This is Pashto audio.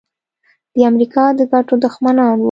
د امریکا د ګټو دښمنان وو.